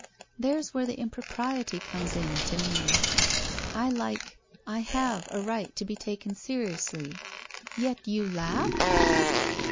There's where the impropriety comes in, to me. I like — I have a right to be taken seri ously. Yet you laugh